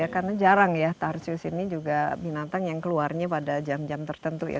karena jarang ya tarsius ini juga binatang yang keluarnya pada jam jam tertentu ya